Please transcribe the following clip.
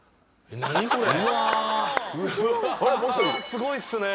すごいっすね。